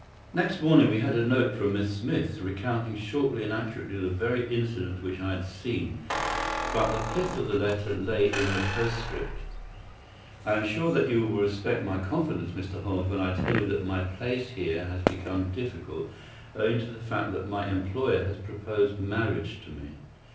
Next morning we had a note from Miss Smith, recounting shortly and accurately the very incidents which I had seen, but the pith of the letter lay in the postscript:— "I am sure that you will respect my confidence, Mr. Holmes, when I tell you that my place here has become difficult owing to the fact that my employer has proposed marriage to me.